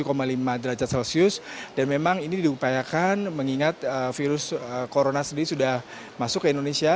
derajat celcius dan memang ini diupayakan mengingat virus corona sendiri sudah masuk ke indonesia